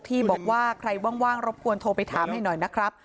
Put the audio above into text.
ที่บอกว่าใครว่างรบกวนโทรไปถามให้หน่อยนะครับ